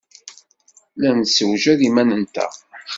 La nessewjad iman-nteɣ.